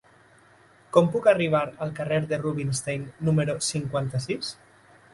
Com puc arribar al carrer de Rubinstein número cinquanta-sis?